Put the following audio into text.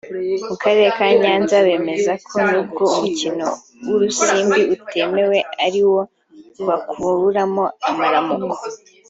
mu Karere ka Nyanza bemeza ko n’ubwo umukino w’urusimbi utemewe ari wo bakuramo amaramuko